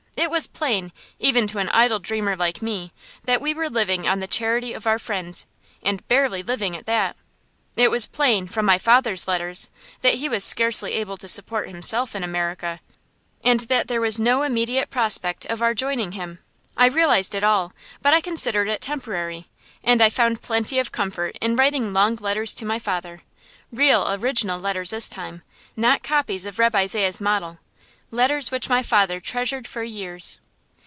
It was plain, even to an idle dreamer like me, that we were living on the charity of our friends, and barely living at that. It was plain, from my father's letters, that he was scarcely able to support himself in America, and that there was no immediate prospect of our joining him. I realized it all, but I considered it temporary, and I found plenty of comfort in writing long letters to my father real, original letters this time, not copies of Reb' Isaiah's model letters which my father treasured for years.